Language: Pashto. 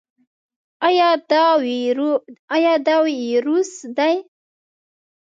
ایا دا وایروس دی؟